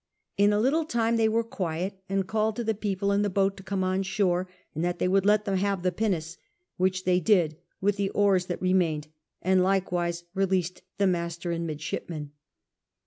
In a little time they were quiet, and called to the peojile in the boat to come on shore, and that they would let them have the pinnace ; which they did, with the oars that remained, and likewise released the master and midsliipman.